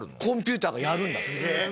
コンピューターがやるんだって。